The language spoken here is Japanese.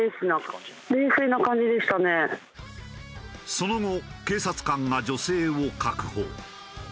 その後警察官が女性を確保。